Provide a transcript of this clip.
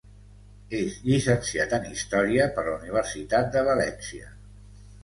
És llicenciat en història per la Universitat de València.